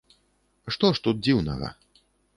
Што ж тут дзіўнага?!